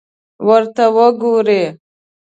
ورته وګورئ!